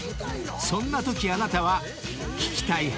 ［そんなときあなたは聞きたい派？